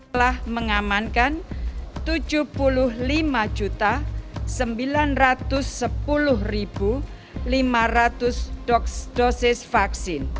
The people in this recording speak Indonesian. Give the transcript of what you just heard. telah mengamankan tujuh puluh lima sembilan ratus sepuluh lima ratus dosis vaksin